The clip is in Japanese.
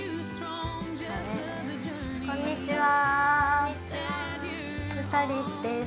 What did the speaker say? ◆こんにちはー。